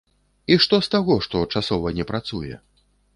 І што з таго, што часова не працуе?